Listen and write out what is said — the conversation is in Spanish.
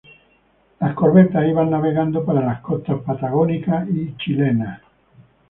Las corbetas iban navegando para las costas patagónicas y chilenas.